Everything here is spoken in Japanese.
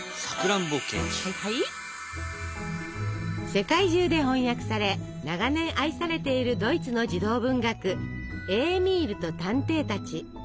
世界中で翻訳され長年愛されているドイツの児童文学「エーミールと探偵たち」。